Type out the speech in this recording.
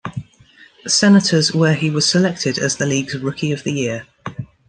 Senators where he was selected as the league's Rookie of the year.